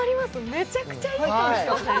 めちゃくちゃいい香りしません？